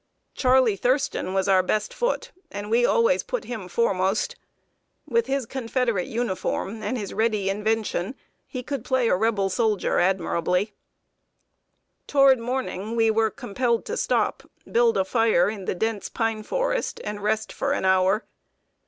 Charley Thurston was our best foot, and we always put him foremost. With his Confederate uniform and his ready invention, he could play Rebel soldier admirably. [Sidenote: PURSUED BY A HOME GUARD.] Toward morning we were compelled to stop, build a fire in the dense pine forest, and rest for an hour.